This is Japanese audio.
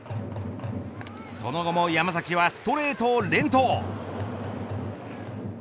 その後も山崎はストレートを連投。